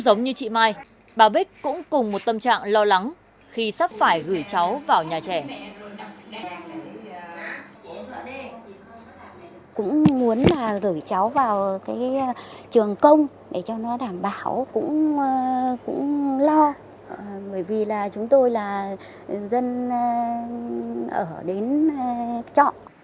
mình cũng lo bởi vì chúng tôi là dân ở đến trọ